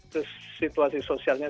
terus situasi sosialnya